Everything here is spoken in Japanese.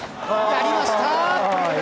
やりました！